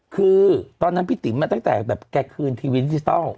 คือตอนนั้นพี่ติ๋มมาตั้งแต่แบบแกคืนทีวีดิจิทัล